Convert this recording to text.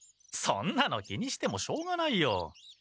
そんなの気にしてもしょうがないよ。